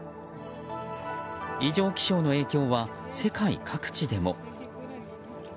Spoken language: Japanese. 異常気象の影響は世界各地でも。